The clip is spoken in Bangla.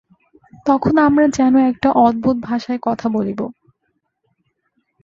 তখন আমরা যেন একটা অদ্ভুত ভাষায় কথা বলিব।